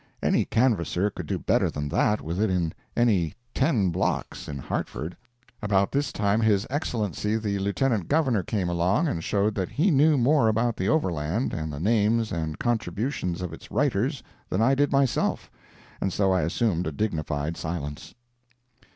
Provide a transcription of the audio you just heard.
Any canvasser could do better than that with it in any ten blocks in Hartford. About this time his Excellency the Lieutenant Governor came along and showed that he knew more about the Overland and the names and contributions of its writers than I did myself, and so I assumed a dignified silence.